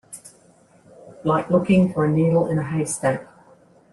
Like looking for a needle in a haystack.